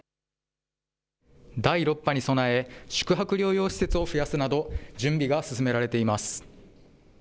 第６波に備え、宿泊療養施設を増やすなど、準備が進められています。